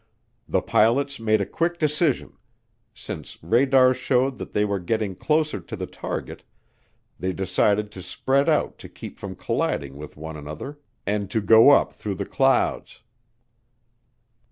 The pilots made a quick decision; since radar showed that they were getting closer to the target, they decided to spread out to keep from colliding with one another and to go up through the clouds.